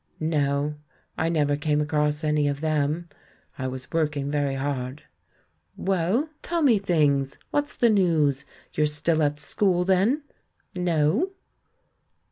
"No, I never came across any of them — I was working very hard. Well? Tell me things; what's the news? You're still at the school then?" "No."